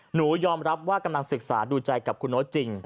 หนูยอมรับว่ากำลังศึกษาดูใจกับคุณโน๊ตจริง